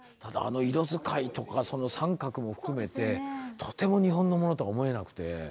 あの色使いとかその三角も含めてとても日本のものとは思えなくて。